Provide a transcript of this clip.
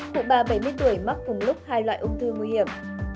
cụ bà bảy mươi tuổi mắc cùng lúc hai loại ung thư nguy hiểm